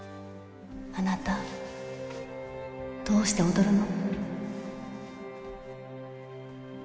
あなたどうして踊るの？